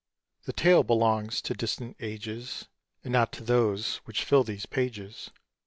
The tale belongs to distant ages, And not to those which fill these pages.